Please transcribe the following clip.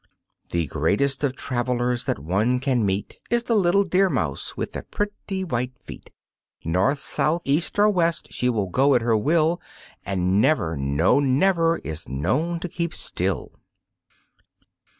The greatest of travelers that one can meet Is the little Deer mouse with the pretty white feet; North, south, east or west she will go at her will, And never, no never, is known to keep still.